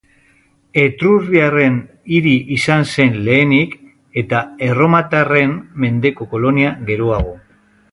Etruriarren hiri izan zen lehenik eta erromatarren mendeko kolonia geroago.